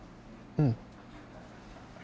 うん！